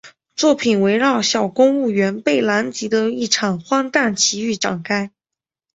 作品围绕小公务员贝兰吉的一场荒诞奇遇展开。